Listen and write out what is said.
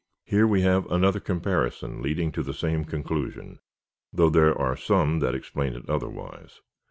Here we have another compari son leading to the same conclusion, though there are some that explain it otherwise.